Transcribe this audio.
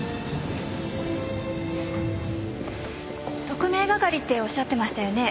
特命係っておっしゃってましたよね？